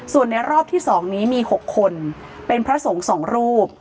ส่วนในรอบที่สองนี้มีหกคนเป็นพระสงสองรูป